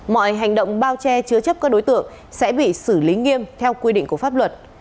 mọi hành động bao che chứa chấp các đối tượng sẽ bị xử lý nghiêm theo quy định của pháp luật